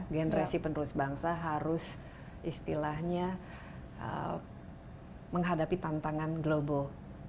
generasi penerus bangsa harus istilahnya menghadapi tantangan global